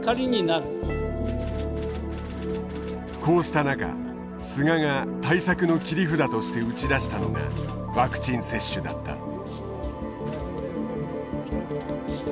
こうした中菅が対策の切り札として打ち出したのがワクチン接種だった。